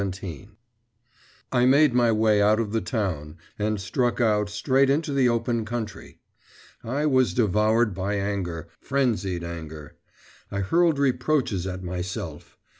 XVII I made my way out of the town and struck out straight into the open country. I was devoured by anger, frenzied anger. I hurled reproaches at myself.